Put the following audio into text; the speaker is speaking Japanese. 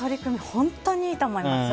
本当にいいと思います。